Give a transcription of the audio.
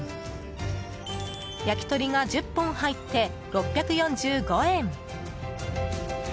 焼き鳥が１０本入って６４５円。